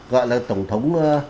gọi là tổng thống